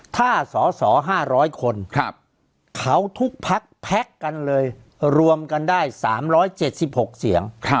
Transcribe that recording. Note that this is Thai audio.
ถ้าสส๕๐๐คนเขาทุกพักแพ็คกันเลยรวมกันได้๓๗๖เสียง